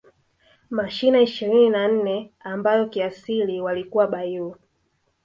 Mashina ishirini na nne ambayo kiasili walikuwa Bairu